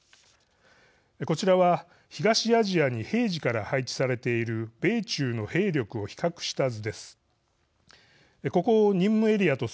こちらは、東アジアに平時から配置されている米中の兵力を比較した図です。